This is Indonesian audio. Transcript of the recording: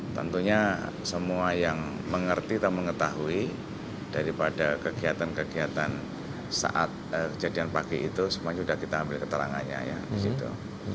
tentunya semua yang mengerti atau mengetahui daripada kegiatan kegiatan saat kejadian pagi itu semuanya sudah kita ambil keterangannya ya di situ